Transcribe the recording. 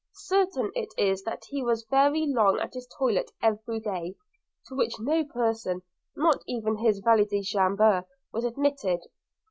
Certain it is that he was very long at his toilet every day, to which no person, not even his valet de chambre, was admitted.